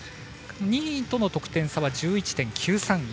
２位との得点差は１１．９３１。